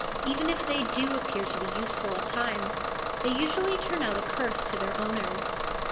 Even if they do appear to be useful at times, they usually turn out a curse to their owners.